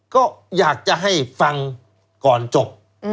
ก็อยากจะให้ฟังก่อนจบ